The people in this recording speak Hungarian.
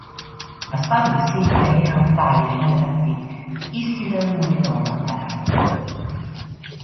Az adó székhelye a Párizs melletti Issy-les-Moulineaux-ban található.